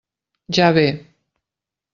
Ja ve!